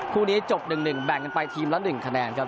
คู่นี้จบ๑๑แบ่งกันไปทีมละ๑คะแนนครับ